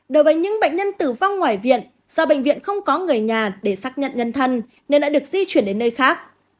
đối với những bệnh nhân tử vong ngoài viện do bệnh viện không có người nhà để xác nhận nhân thân nên đã được di chuyển đến nơi khác